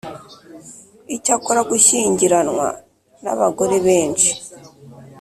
Icyakora gushyingiranwa n abagore benshi